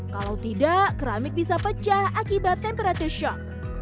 kalau tidak keramik bisa pecah akibat temperatif shock